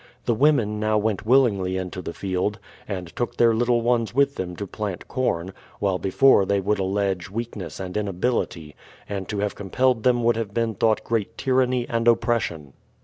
The women now went willingly into the field, and took their little ones with them to plant corn, v/hile before they would allege weakness and inability; and to have compelled them would have been thought great tyranny and oppression.